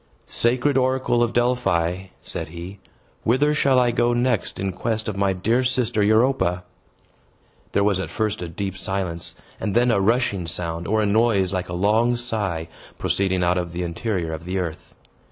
"Sacred oracle of Delphi," said he, "whither shall I go next in quest of my dear sister Europa?" There was at first a deep silence, and then a rushing sound, or a noise like a long sigh, proceeding out of the interior of the earth.